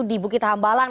di bukit hambalang